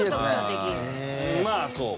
まあそうか。